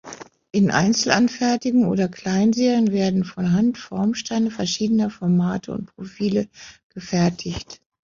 In Einzelanfertigungen oder Kleinserien werden von Hand Formsteine verschiedener Formate und Profile gefertigt.